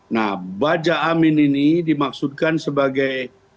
nah baja amin ini dimaksudkan sebagai